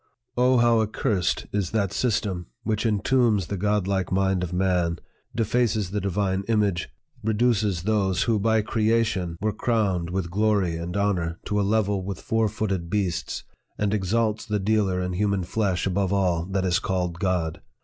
O, how accursed is that system, which entombs the godlike mind of man, defaces the divine image, reduces those who by creation were crowned X PREFACE. with glory and honor to a level with four footed beasts, and exalts the dealer in human flesh above all that is called God